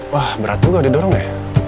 wah berat juga didorong deh